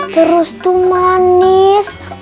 terus tuh manis